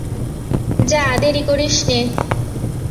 যা, দেরি করিস নে।